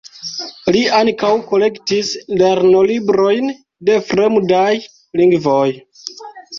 Li ankaŭ kolektis lernolibrojn de fremdaj lingvoj.